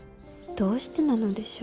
どうしてなのでしょう。